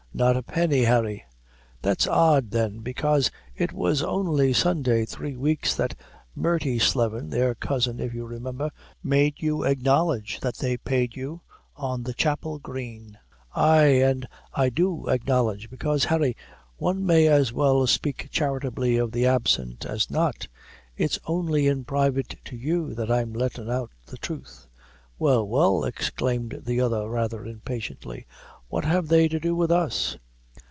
"Not a penny, Harry." "That's odd, then, bekaise it was only Sunday three weeks, that Murty Slevin, their cousin, if you remember, made you acknowledge that they paid you, at the chapel green." "Ay, an' I do acknowledge; bekaise, Harry, one may as well spake charitably of the absent as not; it's only in private to you that I'm lettin' out the truth." "Well, well," exclaimed the other, rather impatiently, "what have they to do wid us?"